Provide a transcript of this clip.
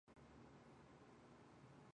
此剧曾于香港亚视国际台播出。